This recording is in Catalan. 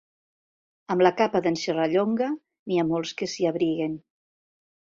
Amb la capa d'en Serrallonga n'hi ha molts que s'hi abriguen.